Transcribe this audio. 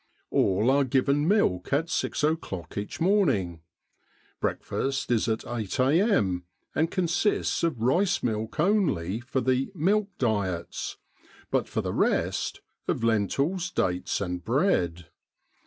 All are given milk at 6 o'clock each morning. Breakfast is at 8 a.m., and consists of rice milk only for the " Milk Diets," but for the rest, of lentils, dates and bread.